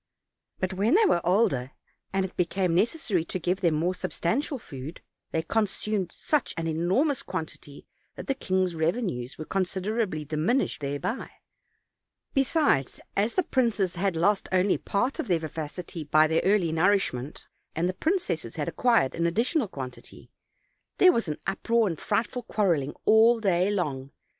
But when they were older, and it be came necessary to give them more substantial food, they consumed such an enormous quantity that the king's revenues were considerably diminished thereby; besides, as the princes had only lost part of their vivacity by their early nourishment, and the princesses had acquired an additional quantity, there was an uproar and frightful quarreling all day long.